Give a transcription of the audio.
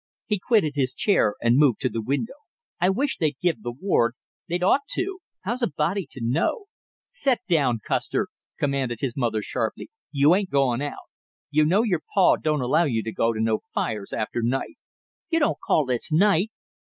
He quitted his chair and moved to the window. "I wish they'd give the ward. They'd ought to. How's a body to know " "Set down, Custer!" commanded his mother sharply. "You ain't going out! You know your pa don't allow you to go to no fires after night." "You don't call this night!"